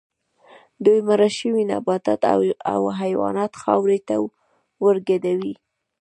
دوی مړه شوي نباتات او حیوانات خاورې ته ورګډوي